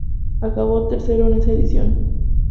Acabó tercero en esa edición.